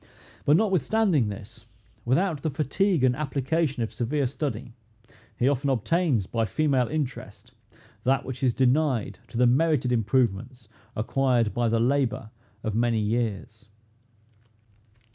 But notwithstanding this, without the fatigue and application of severe study, he often obtains, by female interest, that which is denied to the merited improvements acquired by the labor of many years.